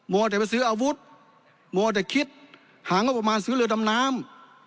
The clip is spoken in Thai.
วัวแต่ไปซื้ออาวุธมัวแต่คิดหางบประมาณซื้อเรือดำน้ำ